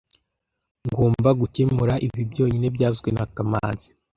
Ngomba gukemura ibi byonyine byavuzwe na kamanzi